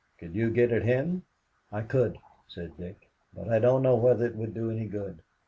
Could you get at him?" "I could," said Dick, "but I don't know whether it would do any good.